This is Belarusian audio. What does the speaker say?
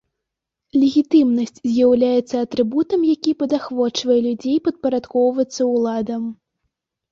Легітымнасць з'яўляецца атрыбутам, які падахвочвае людзей падпарадкоўвацца ўладам.